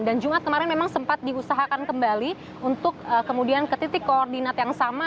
dan juga kemarin memang sempat diusahakan kembali untuk kemudian ke titik koordinat yang sama